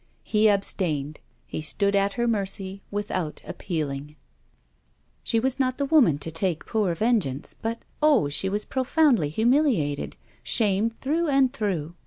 He abstained; he stood at her mercy without appealing. She was not the woman to take poor vengeance. But, Oh! she was profoundly humiliated, shamed through and through.